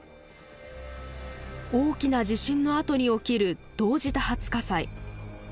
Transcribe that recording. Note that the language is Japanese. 大きな地震のあとに起きる同時多発火災。